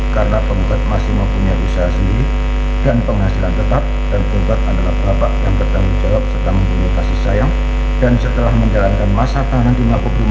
karena pada akhirnya disimpulkan dengan menilai kelas ini